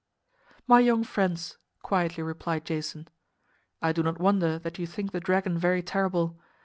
"My young friends," quietly replied Jason, "I do not wonder that you think the dragon very terrible.